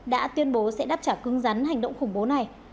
đã tuyên bố sẽ đáp trả cưng rắn hành động khủng bố này